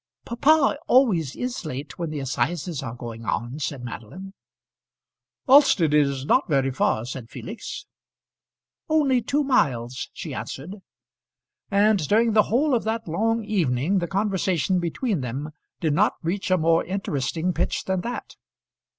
"Papa always is late when the assizes are going on," said Madeline. "Alston is not very far," said Felix. "Only two miles," she answered. And during the whole of that long evening the conversation between them did not reach a more interesting pitch than that.